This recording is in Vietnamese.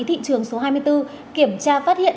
thị trường số hai mươi bốn kiểm tra phát hiện